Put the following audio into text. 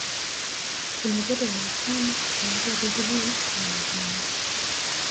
Kuna joto wastani kuanzia digrii kumi na tano